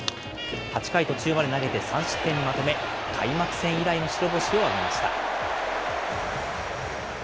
８回途中まで投げて、３失点にまとめ、開幕戦以来の白星を挙げました。